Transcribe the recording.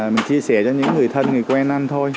mình chia sẻ cho những người thân người quen ăn thôi